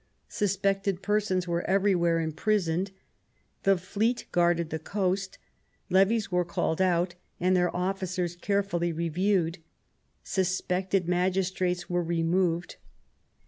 Suspected persons were everywhere imprisoned. The fleet guarded the coast. Levies were called out, and their officers carefully reviewed. Suspected magistrates were removed.